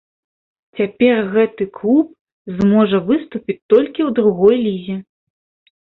Цяпер гэты клуб зможа выступіць толькі ў другой лізе.